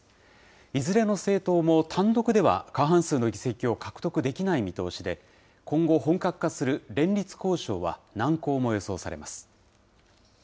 いずれの政党も単独では過半数の議席を獲得できない見通しで、今後、本格化する連立交渉は難航も予想されます。